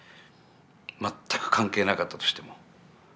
全く関係なかったとしても。